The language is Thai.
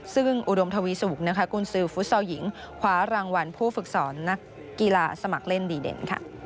ซึ่งอุดมทวีสุกกุญสือฟุตซอลหญิงคว้ารางวัลผู้ฝึกสอนนักกีฬาสมัครเล่นดีเด่น